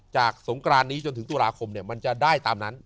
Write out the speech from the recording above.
สงกรานนี้จนถึงตุลาคมมันจะได้ตามนั้น